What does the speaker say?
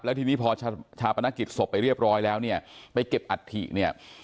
ทีนี้พอชาปนกิจศพไปเรียบร้อยแล้วเนี่ยไปเก็บอัฐิเนี่ย